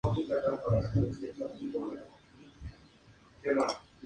Actualmente Rómulo Roux sigue en la presidencia del Partido Cambio Democrático.